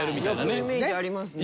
そのイメージありますね。